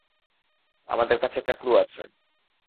আমাদের কাছে একটা ক্লু আছে।